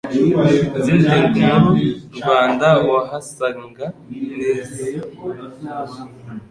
izindi nkuru Rwanda wahasanga nizi